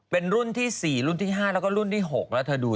เป็นรุ่นที่๔รุ่นที่๕แล้วก็รุ่นที่๖แล้วเธอดู